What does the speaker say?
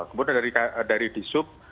kemudian dari disub dua ratus tujuh puluh lima